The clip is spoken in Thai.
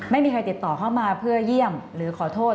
ไม่มีใครติดต่อเข้ามาเพื่อเยี่ยมหรือขอโทษ